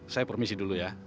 saya permisi dulu ya